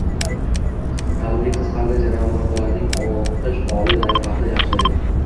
ta’limning qiziqarli jarayoni va bolaning o‘qiy olish layoqati yaxshilaydi.